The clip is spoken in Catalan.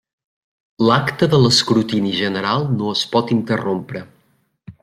L'acte de l'escrutini general no es pot interrompre.